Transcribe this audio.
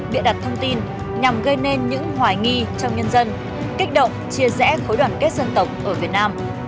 bịa đặt thông tin nhằm gây nên những hoài nghi trong nhân dân kích động chia rẽ khối đoàn kết dân tộc ở việt nam